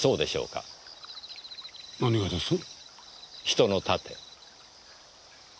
人の盾。